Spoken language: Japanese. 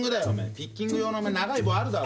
ピッキング用の長い棒あるだろ。